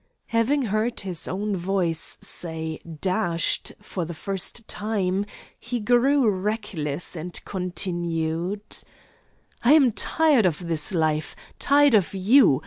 Having heard his own voice say 'DASHED' for the first time, he grew reckless and continued: 'I am tired of this life; tired of you.